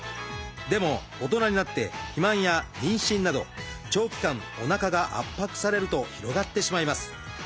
でも大人になって肥満や妊娠など長期間おなかが圧迫されると広がってしまいます。